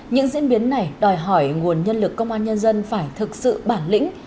những diễn biến này đòi hỏi nguồn nhân lực công an nhân dân phải thực sự bản lĩnh